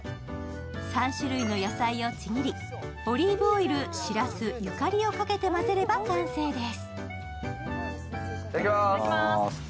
３種類の野菜をちぎり、オリーブオイル、しらす、ゆかりをかけてまぜれば完成です。